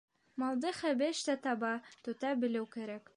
Малды хәбеш тә таба, тота белеү кәрәк.